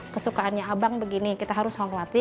kesukaannya abang begini kita harus hormati